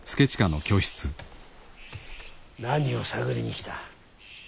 何を探りに来た。